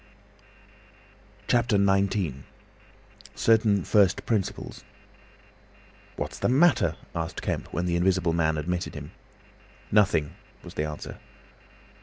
CHAPTER XIX. CERTAIN FIRST PRINCIPLES "What's the matter?" asked Kemp, when the Invisible Man admitted him. "Nothing," was the answer.